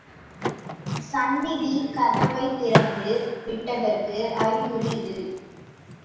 சந்நிதிக் கதவைத் திறந்து விட்டதற்கு அறிகுறி இது.